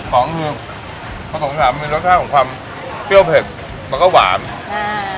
สองคือประสงค์สามอีกรสชาติมีรสชาติของความเชี่ยวเห็ดแล้วก็หวานใช่